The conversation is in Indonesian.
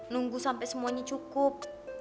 nunggu sampe semuanya cukup